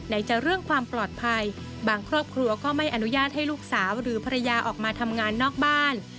จะเรื่องความปลอดภัยบางครอบครัวก็ไม่อนุญาตให้ลูกสาวหรือภรรยาออกมาทำงานนอกบ้าน